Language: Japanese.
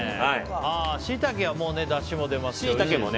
シイタケはだしも出ますしいいですね。